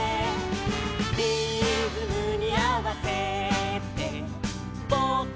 「リズムにあわせてぼくたちも」